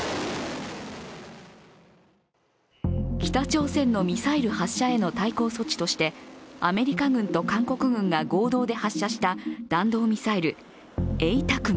北朝鮮のミサイル発射への対抗措置としてアメリカ軍と韓国軍が合同で発射した弾道ミサイルＡＴＡＣＭＳ。